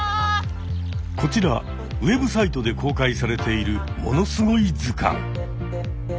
こちらウェブサイトで公開されている「ものすごい図鑑」。